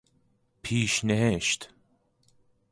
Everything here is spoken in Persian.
پیش نهشت